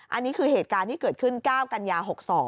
อันนี้คือเหตุการณ์ที่เกิดขึ้น๙กันยา๖๒